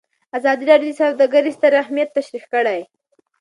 ازادي راډیو د سوداګري ستر اهميت تشریح کړی.